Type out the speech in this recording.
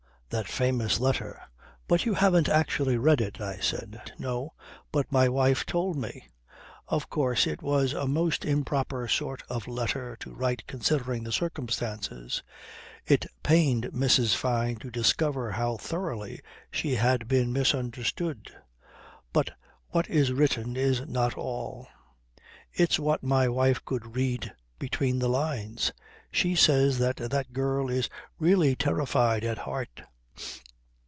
that famous letter. But you haven't actually read it," I said. "No, but my wife told me. Of course it was a most improper sort of letter to write considering the circumstances. It pained Mrs. Fyne to discover how thoroughly she had been misunderstood. But what is written is not all. It's what my wife could read between the lines. She says that the girl is really terrified at heart."